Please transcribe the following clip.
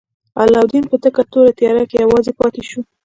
علاوالدین په تکه توره تیاره کې یوازې پاتې شو.